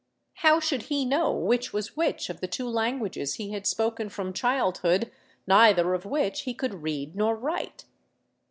How should he know which was which of the two languages he had spoken from childhood, neither of which he could read nor write?